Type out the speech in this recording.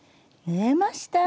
縫えました。